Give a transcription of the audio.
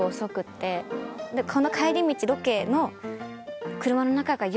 この帰り道ロケの。